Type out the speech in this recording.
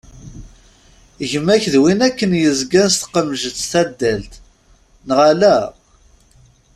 Gma-k d win akken yezgan s tqemjet tadalt, neɣ ala?